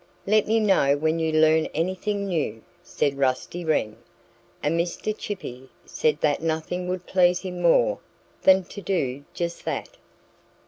"Let me know when you learn anything new!" said Rusty Wren. And Mr. Chippy said that nothing would please him more than to do just that.